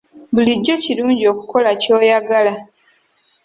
Bulijjo kirungi okukola ky'oyagala.